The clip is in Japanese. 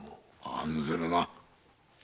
案ずるな。